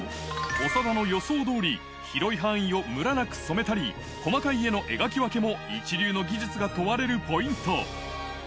長田の予想通り広い範囲をムラなく染めたり細かい絵の描き分けも一流の技術が問われるポイント